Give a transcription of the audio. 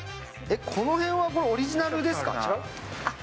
この辺はオリジナルですか？